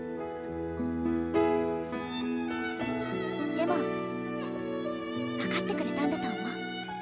でも分かってくれたんだと思う。